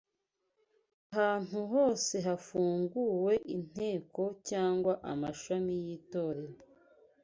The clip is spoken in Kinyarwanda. Ahantu hose hafunguwe inteko cyangwa amashami y’itorero